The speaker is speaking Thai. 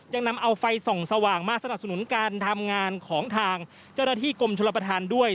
ยังนำเอาไฟส่องสว่างมาสนับสนุนการทำงานของทางเจ้าหน้าที่กรมชนประธานด้วย